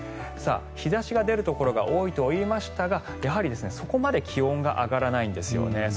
日差しが出るところが多いと言いましたがやはりそこまで気温が上がらないんですよね。